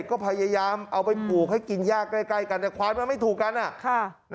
ก็พยายามเอาไปผูกให้กินย่าใกล้กันแต่ควายมันไม่ถูกกัน